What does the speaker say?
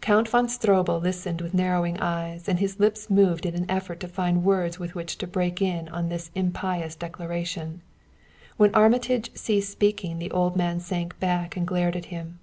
Count von Stroebel listened with narrowing eyes, and his lips moved in an effort to find words with which to break in upon this impious declaration. When Armitage ceased speaking the old man sank back and glared at him.